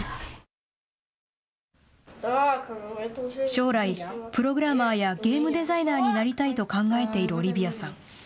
将来、プログラマーやゲームデザイナーになりたいと考えているオリビアさん。